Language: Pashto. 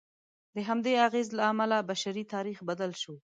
د همدې اغېز له امله بشري تاریخ بدل شو.